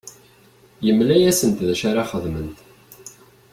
Yemla-asent d acu ara xedment.